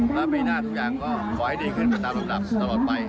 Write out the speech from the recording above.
และปีหน้าดูถึงอย่างขอให้ดีขึ้นเป็นตาประกับตะลอดไป